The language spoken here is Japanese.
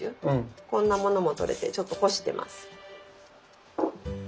こんなものもとれてちょっと干してます。